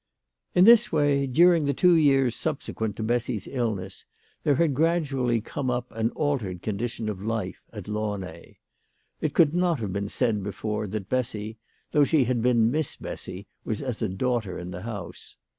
In this way, during the two years subsequent to Bessy's illness, there had gradually come up an altered condition of life at Launay. It could not have been said before that Bessy, though she had been Miss Bessy, was as a daughter in the house.